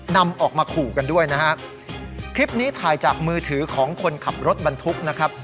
นำออกมาขู่กันด้วยนะฮะคลิปนี้ถ่ายจากมือถือของคนขับรถบรรทุกนะครับ